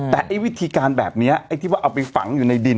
แต่วิธีการแบบนี้เอาเป็นฝังอยู่ในดิน